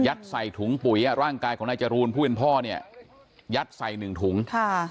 ใส่ถุงปุ๋ยร่างกายของนายจรูนผู้เป็นพ่อเนี่ยยัดใส่หนึ่งถุงค่ะ